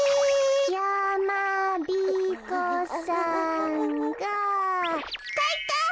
やまびこさんがかいか！